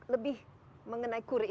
lebih mengenai kur ini